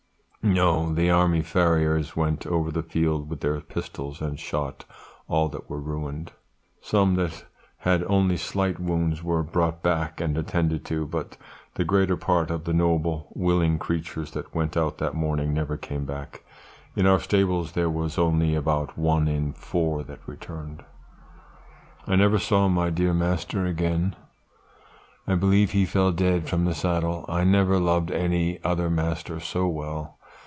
"No, the army farriers went over the field with their pistols and shot all that were ruined; some that had only slight wounds were brought back and attended to, but the greater part of the noble, willing creatures that went out that morning never came back! In our stables there was only about one in four that returned. "I never saw my dear master again. I believe he fell dead from the saddle. I never loved any other master so well.